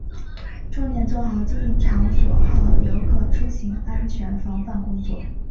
重点做好经营场所和游客出行安全防范工作